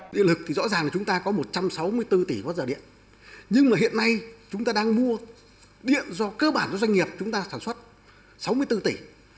điện lực thì rõ ràng là chúng ta có một trăm sáu mươi bốn tỷ wh điện nhưng mà hiện nay chúng ta đang mua điện do cơ bản với doanh nghiệp chúng ta sản xuất sáu mươi bốn tỷ